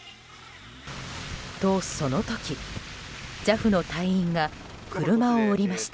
と、その時ＪＡＦの隊員が車を降りました。